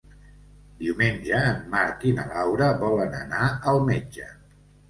Diumenge en Marc i na Laura volen anar al metge.